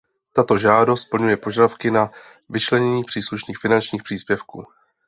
Tato žádost splňuje požadavky na vyčlenění příslušných finančních příspěvků.